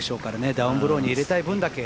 ダウンブローに入れたい分だけ。